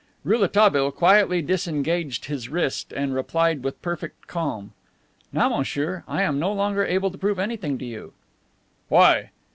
Rouletabille quietly disengaged his wrist and replied with perfect calm: "Now, monsieur, I am no longer able to prove anything to you." "Why?"